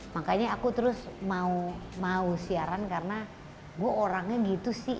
makanya aku terus mau siaran karena gue orangnya gitu sih